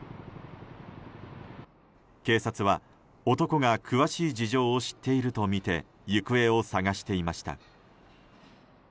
警察は男が詳しい事情を知っているとみて行方を捜していました。